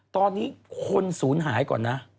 ตอนนี้คนศูนย์หายก่อนนะ